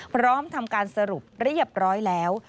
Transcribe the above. พร้อมทำการสรุปเรียบร้อยแล้ว